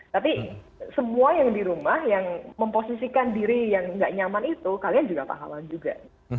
tapi semua yang di rumah yang memposisikan diri yang nggak nyaman itu kalian juga pahlawan juga